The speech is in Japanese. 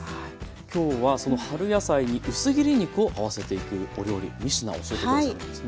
今日はその春野菜に薄切り肉を合わせていくお料理３品教えて下さるんですね。